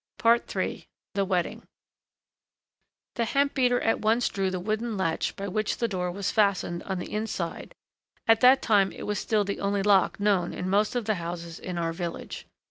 " III THE WEDDING The hemp beater at once drew the wooden latch by which the door was fastened on the inside; at that time, it was still the only lock known in most of the houses in our village.